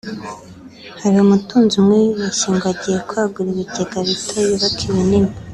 Hari umutunzi umwe wibeshye ngo agiye kwagura ibigega bito yubake ibinini